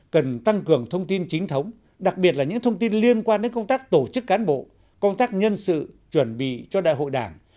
cần tăng cường thông tin chính thống đặc biệt là những thông tin liên quan đến công tác tổ chức cán bộ công tác nhân sự chuẩn bị cho đại hội đảng